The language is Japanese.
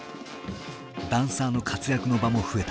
ダンサーの活躍の場も増えた。